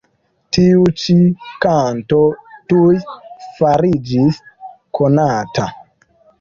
Tiu ĉi kanto tuj fariĝis konata.